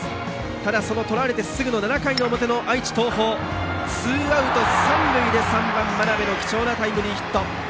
ただ、とられてすぐの７回の表の愛知・東邦ツーアウト三塁で３番、眞邉の貴重なタイムリーヒット。